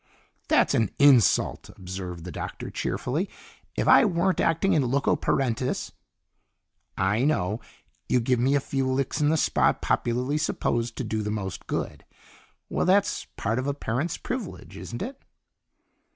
"That's an insult," observed the Doctor cheerfully. "If I weren't acting in loco parentis " "I know! You'd give me a few licks in the spot popularly supposed to do the most good! Well, that's part of a parent's privilege, isn't it?"